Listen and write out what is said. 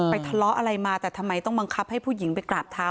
ทะเลาะอะไรมาแต่ทำไมต้องบังคับให้ผู้หญิงไปกราบเท้า